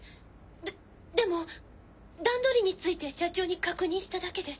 ででも段取りについて社長に確認しただけです。